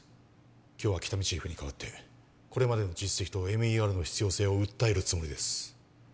今日は喜多見チーフに代わってこれまでの実績とＭＥＲの必要性を訴えるつもりです